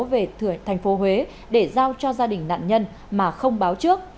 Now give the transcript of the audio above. về thành phố huế để giao cho gia đình nạn nhân mà không báo trước